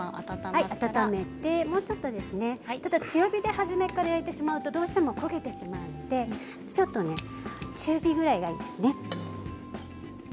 強火で初めから焼いてしまうとどうしても焦げてしまうので中火ぐらいがいいですね。